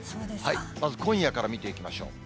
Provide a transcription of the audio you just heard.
まず今夜から見ていきましょう。